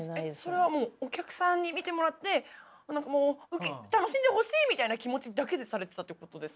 それはもうお客さんに見てもらってもう楽しんでほしいみたいな気持ちだけでされてたってことですか？